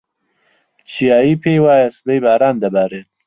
چیایی پێی وایە سبەی باران دەبارێت.